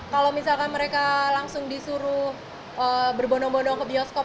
kalau misalkan mereka langsung disuruh berbondong bondong ke bioskop